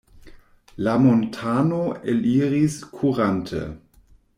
La montano eliris kurante.